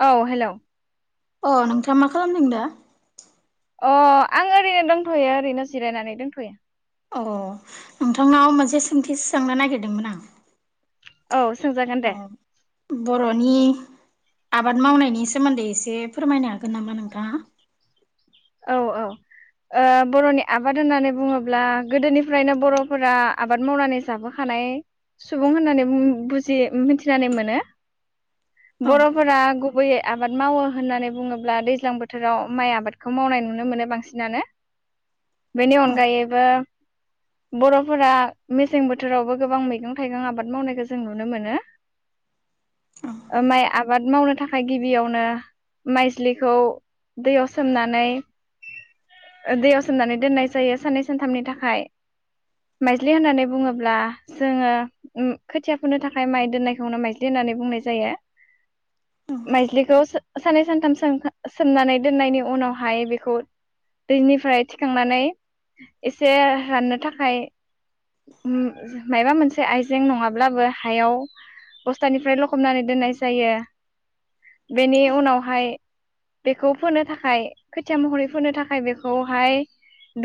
औ हेलौ। अ नोंथाङा मा खालामदों दा? अ आं ओरैनो दंथयो ओरैनो जिरायनानै दोंथयो। अ नोंथांनाव मोनसे सोंथि सोंनो नागिरदोंमोन आं। औ सोंजागोन औ दे। बर'नि आबाद मावनायनि सोमोन्दै एसे फोरमायनो हागोन नामा नोंथा [unintelligible] औ औ ओ बर'नि आबाद होननानै बुङोब्ला गोदोनिफ्रायनो बर'फोरा आबाद मावनानै जाबोखानाय सुबुं होननानै बुजि मिथिनानै मोनो। औ बर'फोरा गु गुबैयै आबाद मावो होननानै बुङोब्ला दैज्लां बोथोराव माइ आबाद खौ मावनाय नुनो मोनो बांसिनानो बेनि औ अनगायैबो बर'फोरा मेसें बोथोरावबो गोबां मैगं थाइगं आबाद मावनायखौ जों नुनो मोनो। औ ओ माय आ आबाद मावनो थाखाय गिबियावनो माइस्लिखौ दैयाव सो सोमनानै दैयाव सोमनानै दोननाय जायो साननै सानथामनि थाखाय माइज्लि होननानै बुङोब्ला जोङो उ खोथिया फोनो थाखाय माइ दोननायखौ माइज्लि होननानै बुंनाय जायो। औ माइजलिखौ सो सानै सानथाम सोमखा सोमनानै दोननायनि उनावहाय बेखौ दैनिफ्राय थिखांनानै एसे राननो थाखाय उ माबा मोनसे आइजें नङाब्लाबो हायाव बस्थानिफ्राय लखबनानै दोननाय जायो बेनि उनावहाय बेखौ फोनो थाख खाय खोथिया महरै फोनो थाखाय बेखौहाय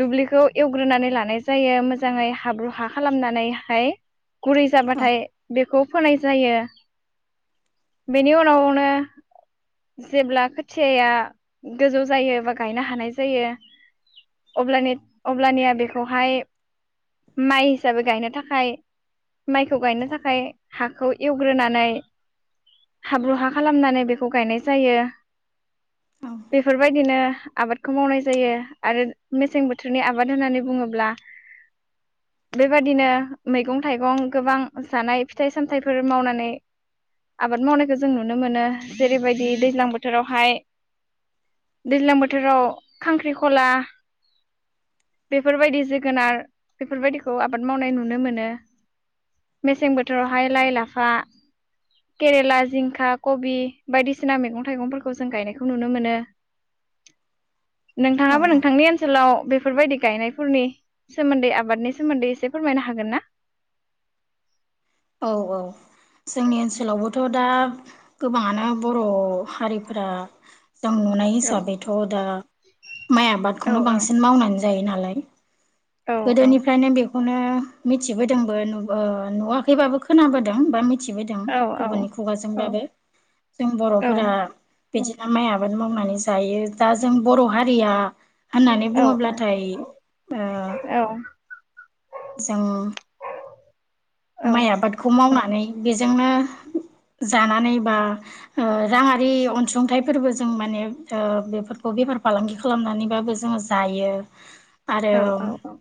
दुब्लिखौ एवग्रोनानै लानाय जायो मोजाङै हाब्रु हा खालामनानैहाय गुरै जाबाथाय बेखौ फोनाय जायो बेनि उनावनो जेब्ला खोथियाया गोजौ जायो एबा गायनो हानाय जायो अब्लानि अब्लानिया बेखौहाय माइ हिसाबै गायनो थाखाय माइखौ गायनो थाखाय हाखौ एवग्रोनानै हाब्रु हा खालामनानै बेखौ गायनाय जायो। बेफोरबायदिनो आबादखौ मावनाय जायो आरो मेसें बोथोरनि आबाद होननानै बुङोब्ला बेबादिनो मैगं थाइगं गोबां जानाय फिथाइ सामथायाइफोर मावनानै आबाद मावनायखौ जों नुनो मोनो जेरैबायदि दैज्लां बोथ बोथोरावहाय दैज्लां बोथोराव खांख्रिखला बेफोरबायदि जोगोनार बेफोरबायदिखौ आबाद मावनाय नुनो मोनो मेसें बोथोरावहाय लाइ, लाफा, केरेला, जिंखा, कबि बायदिसिना मैगं थाइगंफोरखौ जों गायनाय बेखौ नुनो मोनो। नोंथाङाबो औ नोंथांनि ओनसोलाव बेब बेफोरबायदि गायनायफोरनि सोमोन्दै आबादनि सोमोन्दै एसे फोरमायनो हागोन ना? औ औ जोंनि ओनसोलावबोथ' दा गोबाङानो बर' हारिफोरा जों नुनाय औ हिसाबैथ' दा माइ औ आबादखौनो बांसिन मावनानै जायो नालाय औ गोदोनिफ्रायनो बे बेखौनो मिथिबोदोंबो नुब ओ नुवाखैबाबो खोनाबोदों बा मिथ मिथिबोदों औ औ गुबुननि खुगाजोंबाबो औ जों औ बर'फोरा बिदिनो माइ आबाद मावनानै जायो दा जों बर' हारिया होननानै औ औ बुङोब्लाथाय ओ जों औ माइ आबादखौ मावना [unintelligible] बेजोंनो जानानै बा ओ राङारि अनसुंथाइफोरबो जों माने ओ बेफोरखौ बेफार फालांगि खालामनानैबाबो जों जायो। आरो औ औ औ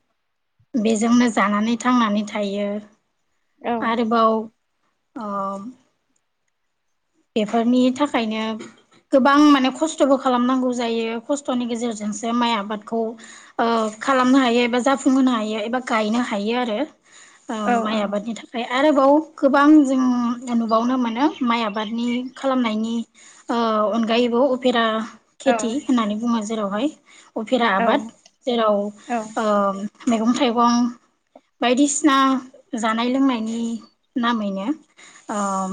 बेजोंनो जानानै थांनानै थायो। आरोबाव आं बेफोरनि थाखायनो गोबां माने खस्थ'बो खालामनांगौ जायो खस्थ'नि गेजेरजोंसो माइ आबादखौ ओ खालामनो हायो एबा जाफुंहोनो हायो एबा गायनो हायो आरो ओ औ माइ आबादनि थाखाय आरोबाव गोबां जों नुबावनो मोनो माइ आबाद आबादनि खालामनायनि अनगायैबो उपेरा खेथि होननानै बुङो जेराव [unintelligible] अफेरा आबाद जेराव ओ मैगं-थाइगं बायदिसिना जानाय लोंनायनि नामैनो अम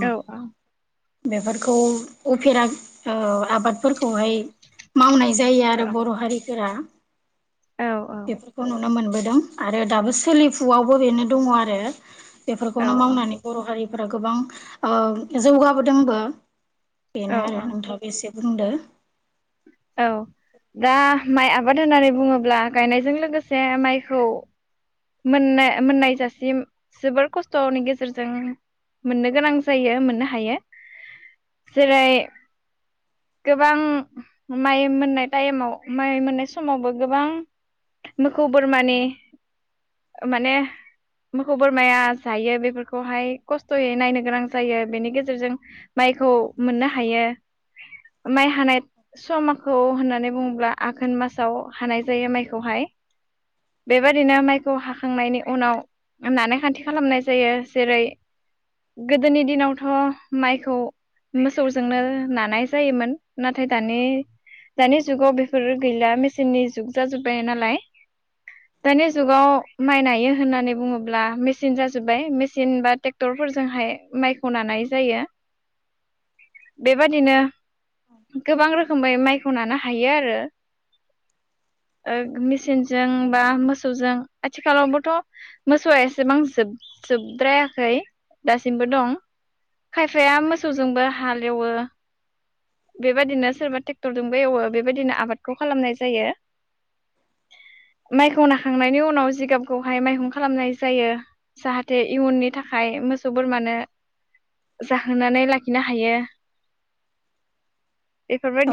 बेफोरखौ उफेरा ओ आबादफोरखौहाय मावनायजे जायो आरो बर' हारिफोरा बेफोरखौ नुनो मोनबोद दं आरो दाबो सोलिफुआवबो बेनो दङ आरो औ बेफोरखौनो मावनानै बर' हारि हरावगोबां ओ जौगा अदोंबो बेनो आरो औ नोंथाबो एसे बुंदो औ दा माइ आबाद होननानै बुङोब्ला गायनायजों लोगोसे माइखौ मोननाय मोननाय जासिम जोबोर खस्थ'नि गेजेरजों मोननो गोनां जायो मोननो हायो जेरै गोबां माइ मोननाय टाइमाव माइ मोननाय समावबो गोबां मोखौ बोरमानि माने मोखौ बोरमाया जायो बेफोरखौहाय खस्थ'यै नायनो गोनां जायो बेनि गेजेरजों माइखौ मोननो हायो माइ हानाय समखौ होननानै बुङोब्ला आघोन मासाव हानाय जायो माइखौहाय बेबायादिनो माइख हाखांनायनि उनाव नानायखान्थि खालामनाय जायो जेरै गोदोनि दिनावथ' माइखौ मोसौजोंनो नानाय जायोमोन नाथाय दानि दानि जुगाव बेफोर गैला मेचननि जुग जाजोब्बाय नालाय दानि जुगाव माइ नायायो होननानै बुङोब्ला मेचिन जाजोब्बाय मेसिन बा ट्रेक्टरफोरजोंहाय माइखौ नानाय जायो बेबादिनो गोबां रोखोमै माइखौ नानो हायो आरो मेसिनजों बा मोसौजों आथिखालावबोथ' मोसौआ एसेबां जोब जोबद्रायाखै दासिमबो दं खायफाया मोसौजोंबो हाल एवो बेबायदिनो सोरबा ट्रेक्टरजोंबो एवो बेबायदिनो आबादखौ खालामनाय जायो माइखौ नाखांनायनि उनाव जिगाबखौहाय माइहुं खालामनाय जायो जाहाथे इयुननि थाखाय मोसौ बोरमानो जाहोनानै लाखिनो हायो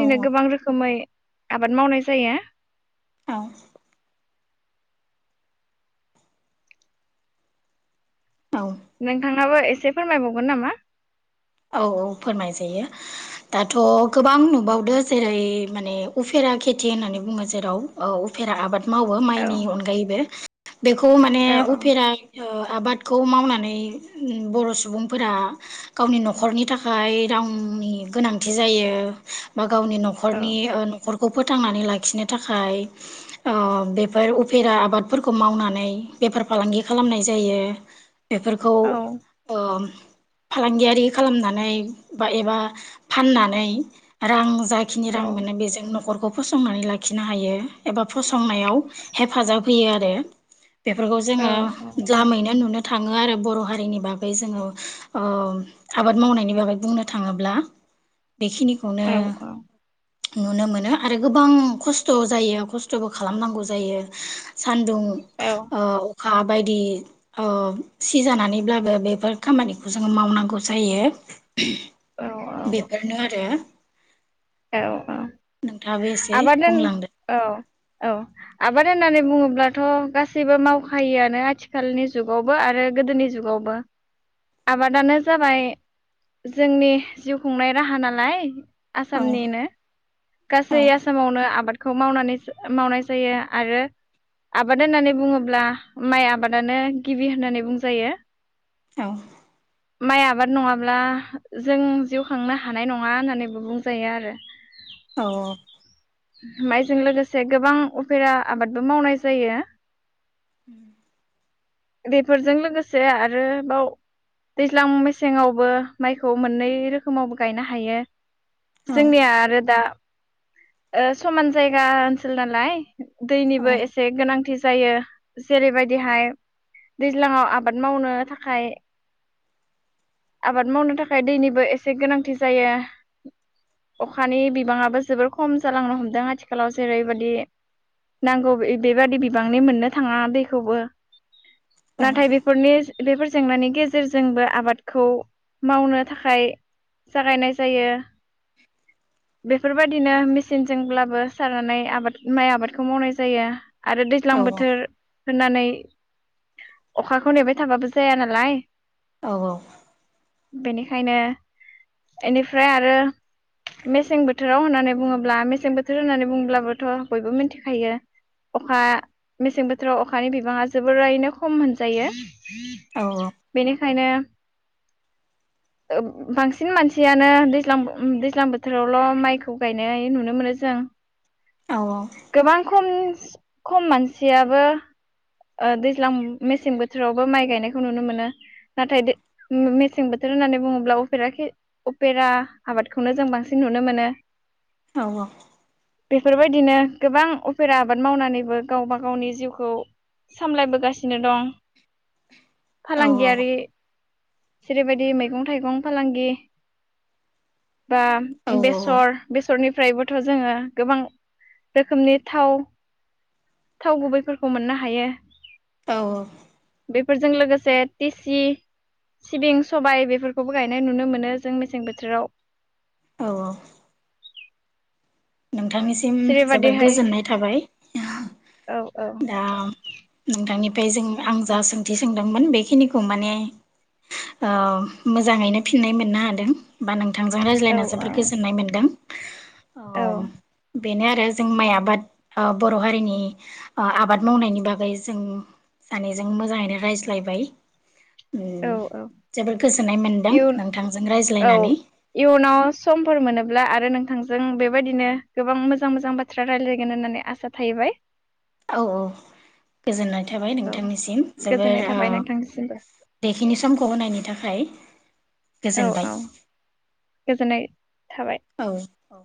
औ गोबां रोखोमै आबाद मावनाय जायो औ औ नोंथाङाबो एसे फोरमायबावगोन नामा औ औ फोरमाय जायो दाथ' गोबां नुबावदो जेरै माने उफेरा खेथि होननानै बुङो जेराव उफेरा आबाद मावो औ माइनि अनगायैबो बेखौ माने औ उफेरा ओ आबादखौ मावनानै बर' सुबुंफोरा गावनि न'ख न'खरनि थाखाय रांनि गोनांथि जायो बा गा गावनि औ न'खरनि ओ‌ न'खर खौ फोथांनानै लाखिनो थाखाय ओ बेफोर उफेरा आबादफोरखौ मावनानै बेफार फालांगि खालामनाय जायो। बेफोरखौ औ ओ फालांगियारि खालामनानै बा एबा फाननानै रां जाखिनि औ रां मोनो बेजों न'खरखौ फसंनानै लाखिनो हायो एबा फसंनायाव हेफाजाब होयो आरो। बेफोरखौ औ जोङो द्लामैनो नुनो थाङो आरो बर' हारिनि बागै जोङो ओ आबाद मावनायनि बागै बुंनो थाङोब्ला बेखिनिखौनो नुनो मोनो आरो गोबां खस्थ' जायो खस्थ'बो खालामनांगौ जायो। सान्दुं ओ अ खा बायदि ओ सिजानानैब्लाबो बेफोर खामानिखौ जोङो मावनांगौ जायो। औ बेफोरनो आरो। औ औ नोंथाङाबो एसे आबाद होन बुंलांदो औ औ आबाद होननानै बुङोब्लाथ' गासैबो मावखायोआनो आथिखालनि जुगावबो आरो गोदोनि जुगावबो। आबादानो जाबाय जोंनि जिउ खुंनाय राहा नालाय औ आसामनिनो औ खौ मावनानै मावनाय जायो आरो आबाद होननानै बुङोब्ला माइ आबादानो गिबि होननानै बुंजायो। औ माइ आबाद नङाब्ला जों जिउ खांनो हानाय नङा होननानैबो बुं जायो आरो। औ औ माइजों लोगोसे गोबां उफेरा आबादबो मावनाय जायो। उम बेफोरजों लोगोसे आरोबाव दैज्लां मेसेङावबो माइखौ मोननै रोखोमावबो गायनो हायो। औ जोंनिया आरो दा ओ समान जायगा ओनसोल नालाय औ दैनिबो एसे गोनांथि जायो जेरैबायदि दैज्लाङाव आबाद मावनो थाखाय आबाद मावनो थाखाय दैनि बो एसे गोनांथि जायो। अखानि बिबाङा बो जोबोद खम जालांनो हमदों आथिखालाव जेरैबादि नांगौ बेबादि बिबांनि मोननो थाङा दैखौबो नाथाय बेफोरनि बेफोर जेंनानि गेजेरजोंबो आबादखौ मावनो थाखाय जागायनाय जायो। बेफोरबायदिनो मेसें अब्लाबो सारनानै आबाद माइ आबादखौ मावनाय जायो। आरो दैज्लां औ बोथोर होननानै अखाखौ नेबाय थाबाबो जाया नालाय औ औ । बेनिखायनो बेनिफ्राय आरो मेसें बोथोराव होननानै बुङोब्ला होनब्ला मेसें बोथोर होननानै बुंब्लाबोथ' बयबो मिथिखायो अखा मेसें बोथोराव अखानि बिबाङा जोबोरैनो खम मोनजायो औ । बेनिखायनो ओ बांसिन मानसियानो दैज्लां दैज्लां बोथोरावल' माइखौ गायनाय नुनो मोनोसो जों औ । गोबां खम खम मानसियाबो ओ दैज्लां मेसें बोथोरावबो माइ गायनायखौ नुनो मोनो नाथाय दै मेसें बोथोर होननानै बुङोब्ला उपेर उपेरा आबादखौनो जों बांसिन नुनो मोनो । औ औ । बेफोरबायदिनो गोबां अफेरा आबाद मावनानैबो गावबा गावनि जिउखौ सामलायबोगासिनो दं । औ फालांगियारि जेरैबायदि मैगं थाइगं फालांगि । बा बेसर नरनिफ्रायबोथ' जोङो गोबां रोखोमनि थ थाव गुबैफोरखौ मोननो हायो । औ औ । बेफोरजों लोगोसे तेसि सिबिं सबाय बेफोरखौबो गायनाय नुनो मोनो जों मेसें बोथोराव । औ औ । नोंथांनिसिम जोबोद जेरैबायदिहाय गोजोननाय थाबाय औ औ दा नोंथांनि ओमफ्राय जों आं जा सोंथि सोंदोंमोन बेखिनिखौ माने ओ मोजाङैनो फिननाय मोननो हादों । बा नोंथांजों औ रायज्लायनो जोबद गोजोननाय मोन्दों । अ औ बेनो आरो जों माइ आबाद ओ बर' हारिनि ओ आबाद मावनायनि बागै जों सानैजों मोजाङैनो रायज्लायबाय । औ औ मोनदों इयुन नोंथांजों औ रायज्लायनानै इयुनाव समफोर मोनो ब्ला आरो नोंथांजों बेबायदिनो गोबां मोजां मोजां बाथ्रा रायज्लायगोन होननानै आसा थाहैबाय । औ औ गोजोननाय थाबाय औ नोंथांनिसिम गोजोननाय जोबोर थाबाय नोंथांनिसिमबो । बेखिनि समखौ होनायनि थाखाय । गोजोनबाय गोजोनाय औ औ ।